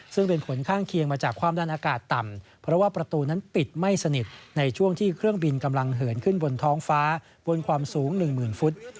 ซึ่งเป็นผลข้างเคียงมาจากความดันอากาศต่ำเพราะว่าประตูนั้นปิดไม่สนิทในช่วงที่เครื่องบินกำลังเหินขึ้นบนท้องฟ้าบนความสูง๑๐๐๐ฟุต